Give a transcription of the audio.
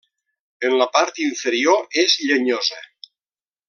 En la part inferior és llenyosa.